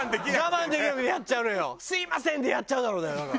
「すみません！」でやっちゃうんだろうねだから。